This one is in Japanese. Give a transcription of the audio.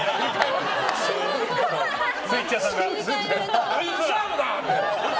スイッチャーさんが。